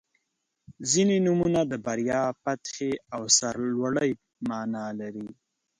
• ځینې نومونه د بریا، فتحې او سرلوړۍ معنا لري.